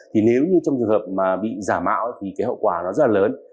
thì nếu như trong trường hợp mà bị giả mạo thì cái hậu quả nó rất là lớn